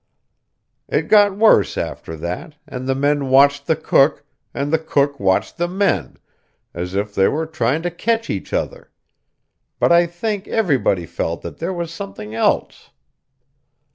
It got worse after that, and the men watched the cook, and the cook watched the men, as if they were trying to catch each other; but I think everybody felt that there was something else.